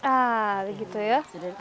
ah begitu ya